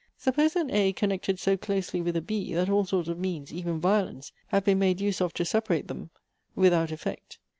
Suppose an A connected so closely with a B, that all sorts of means, even violence, have been made use of to separate them, without effect.